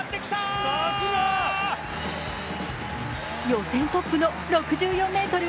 予選トップの６４ｍ３２。